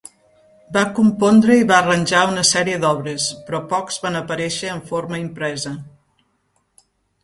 Va compondre i va arranjar una sèrie d'obres, però pocs van aparèixer en forma impresa.